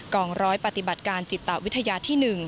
องร้อยปฏิบัติการจิตวิทยาที่๑